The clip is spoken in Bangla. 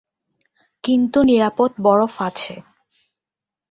কিন্তু নিরাপদ বরফ আছে।